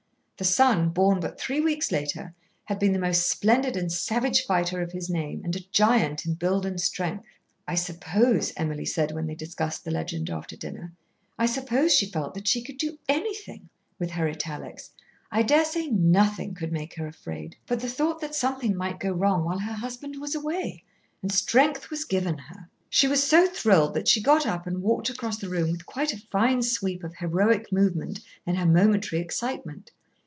The son, born but three weeks later, had been the most splendid and savage fighter of his name, and a giant in build and strength. "I suppose," Emily said when they discussed the legend after dinner, "I suppose she felt that she could do anything," with her italics. "I daresay nothing could make her afraid, but the thought that something might go wrong while her husband was away. And strength was given her." She was so thrilled that she got up and walked across the room with quite a fine sweep of heroic movement in her momentary excitement.